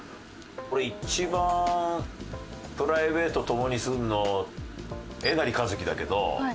俺一番プライベートを共にするのえなりかずきだけど。